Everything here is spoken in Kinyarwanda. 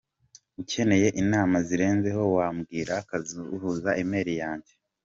ukeneye inama zirenzeho wambwira nkazaguha email yanjye ………….